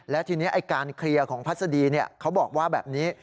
และทีนี้การเคลียร์ของพัศดีเขาบอกว่าแบบนี้